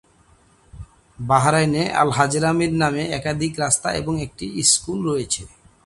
বাহরাইনে আল-হাযরামির নামে একাধিক রাস্তা এবং একটি স্কুল রয়েছে।